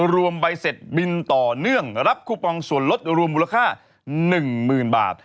รวมไปเสร็จบินต่อเนื่องรับคูปองส่วนลดรวมมูลค่าหนึ่งหมื่นบาท